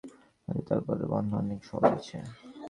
অর্থের জোগান রহিত করা গেলে এদের তৎপরতা বন্ধ করা অনেক সহজ হবে।